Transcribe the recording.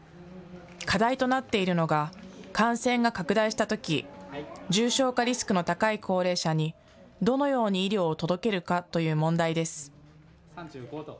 課題となっているのが感染が拡大したとき重症化リスクの高い高齢者にどのように医療を届けるかという問題です。